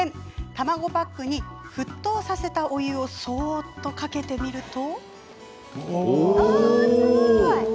卵パックに沸騰させたお湯をそーっとかけてみると。